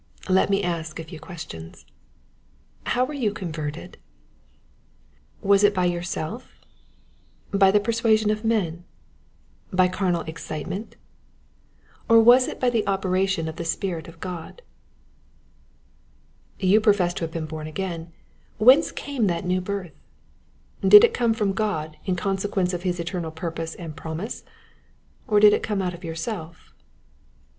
Let me ask a few questions, — How were you converted ? Was it by yourself, by the persuasion of men, by carnal excitement ; or was it by the operation of the Spirit of God ? You pro fess to have been born again. Whence came that new birth ? Did it come from God in consequence of his eternal purpose and promise, or did it come out of yourself?